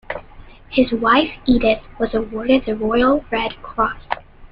His wife Edith was awarded the Royal Red Cross.